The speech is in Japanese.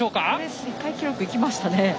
世界記録行きましたね。